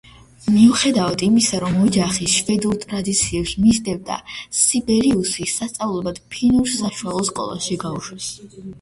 მიუხედავად იმისა, რომ ოჯახი შვედურ ტრადიციებს მისდევდა, სიბელიუსი სასწავლებლად ფინურ საშუალო სკოლაში გაუშვეს.